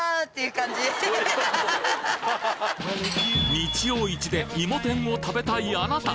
日曜市でいも天を食べたいあなた！